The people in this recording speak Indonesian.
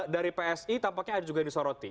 dari psi tampaknya ada juga yang disoroti